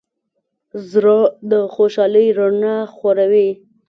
زړه د خوشحالۍ رڼا خوروي.